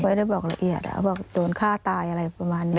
ไม่ได้บอกละเอียดบอกโดนฆ่าตายอะไรประมาณนี้